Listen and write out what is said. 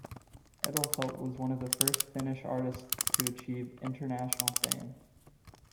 Edelfelt was one of the first Finnish artists to achieve international fame.